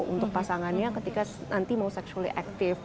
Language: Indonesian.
untuk pasangannya ketika nanti mau sectually active